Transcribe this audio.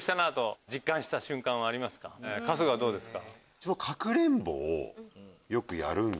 春日はどうですか？